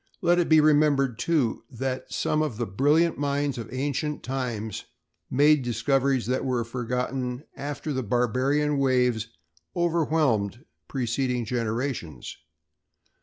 Let it be remembered, too, that some of the brilliant minds of ancient times made discoveries that were forgotten after the barbarian waves overwhelmed preceding civilizations.